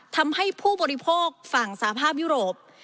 ทำให้ผู้บริโภคฝั่งสาภาพยุโรป